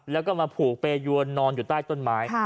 แล้วก็มาผูกเปรยวนนอนอยู่ใต้ต้นไม้